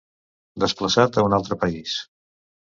Desplaçat a un altre país.